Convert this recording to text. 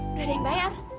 udah ada yang bayar